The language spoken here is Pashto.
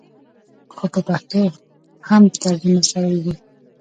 خو په پښتو هم ترجمه سوې وې.